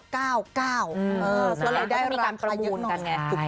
ก็เลยได้รามประโยชน์กัน